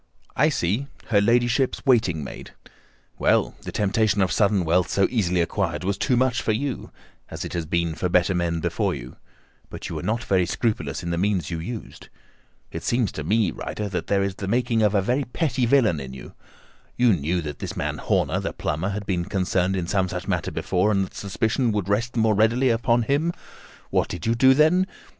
"I see—her ladyship's waiting maid. Well, the temptation of sudden wealth so easily acquired was too much for you, as it has been for better men before you; but you were not very scrupulous in the means you used. It seems to me, Ryder, that there is the making of a very pretty villain in you. You knew that this man Horner, the plumber, had been concerned in some such matter before, and that suspicion would rest the more readily upon him. What did you do, then?